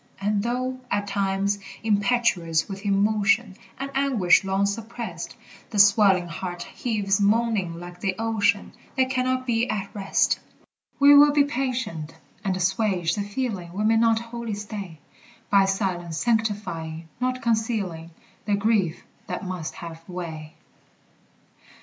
And though, at times, impetuous with emotion And anguish long suppressed, The swelling heart heaves moaning like the ocean, That cannot be at rest, We will be patient, and assuage the feeling We may not wholly stay; By silence sanctifying, not concealing, The grief that must have way.